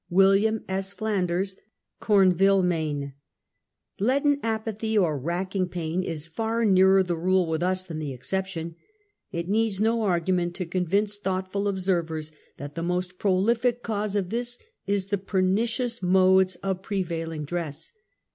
William S. Flanders, Corn vi lie, Me. Leaden apathy or racking pain is far nearer the rule with us than the exception. It needs no argu ment to convince thoughtful observers that the most prolific cause of this is the pernicious moles of pre vailing dress.